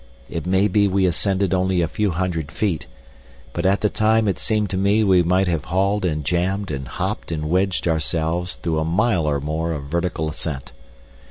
It may be we ascended only a few hundred feet, but at the time it seemed to me we might have hauled and jammed and hopped and wedged ourselves through a mile or more of vertical ascent.